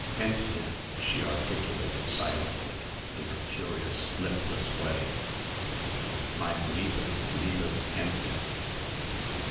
"Hendchen," she articulated silently, in her curious lipless way, "mein liebes, liebes, Hendchen."